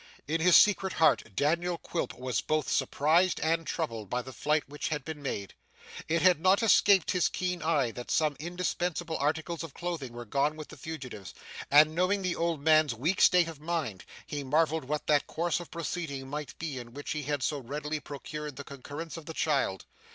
In his secret heart, Daniel Quilp was both surprised and troubled by the flight which had been made. It had not escaped his keen eye that some indispensable articles of clothing were gone with the fugitives, and knowing the old man's weak state of mind, he marvelled what that course of proceeding might be in which he had so readily procured the concurrence of the child.